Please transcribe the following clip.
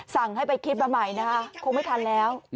สั่งให้ไปคิดมาใหม่นะคะคงไม่ทันแล้ว